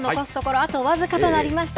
あと僅かとなりました。